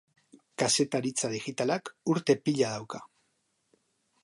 Kazetaritza digitalak urte pila dauka.